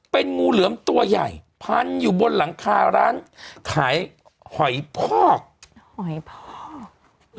เป็นงูเหลือมตัวใหญ่พันอยู่บนหลังคาร้านขายหอยพอกหอยพอก